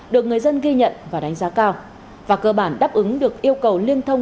được người dân ghi nhận và đánh giá cao và cơ bản đáp ứng được yêu cầu liên thông